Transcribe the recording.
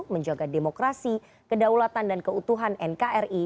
menjaga demokrasi kedaulatan dan keutuhan nkri